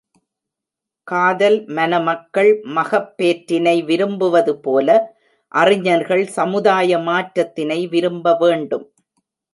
காதல் மனமக்கள் மகப்பேற்றினை விரும்புவதுபோல, அறிஞர்கள் சமுதாய மாற்றத்தினை விரும்ப வேண்டும்.